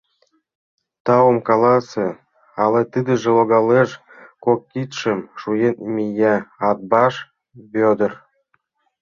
— Таум каласе, але тидыже логалеш! — кок кидшым шуен мия Атбаш Вӧдыр.